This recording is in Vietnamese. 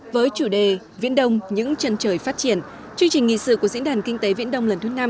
với chủ đề viễn đông những chân trời phát triển chương trình nghị sự của diễn đàn kinh tế viễn đông lần thứ năm